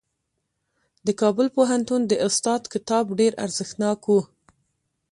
د کابل پوهنتون د استاد کتاب ډېر ارزښتناک و.